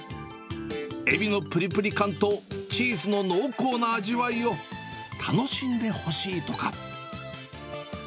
エビのぷりぷり感とチーズの濃厚な味わいを楽しんでほしいとか。